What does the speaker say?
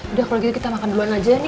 udah kalau gitu kita makan duluan aja ya